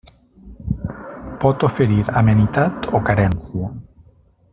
Pot oferir amenitat o carència.